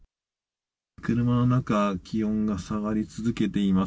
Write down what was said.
車の中、気温が下がり続けています。